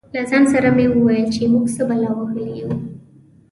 له ځان سره مې ویل چې موږ څه بلا وهلي یو.